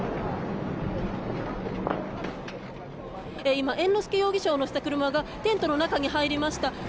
今猿之助容疑者を乗せた車がテントの中に入りました。